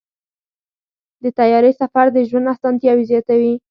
د طیارې سفر د ژوند اسانتیاوې زیاتوي.